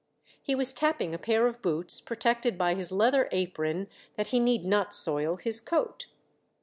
He was tapping a pair of boots, protected by his leather apron that he need not soil his coat.